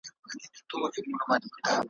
لاس مي ایښئ په قران قسم قسم دئ